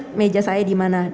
saya ingat meja saya di mana